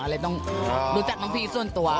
เลยต้องรู้จักน้องพีส่วนตัว